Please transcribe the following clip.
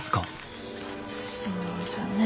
そうじゃね。